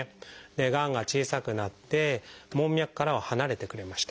がんが小さくなって門脈からは離れてくれました。